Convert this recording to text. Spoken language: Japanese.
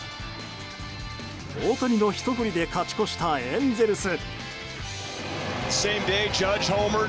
大谷のひと振りで勝ち越したエンゼルス。